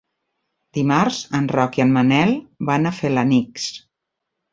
Dimarts en Roc i en Manel van a Felanitx.